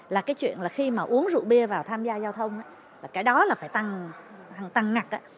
là cái chuyện là khi mà uống rượu bia vào tham gia giao thông cái đó là phải tăng ngặt